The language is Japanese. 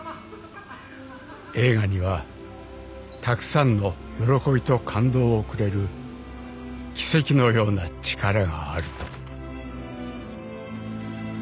［映画にはたくさんの喜びと感動をくれる奇跡のような力があると］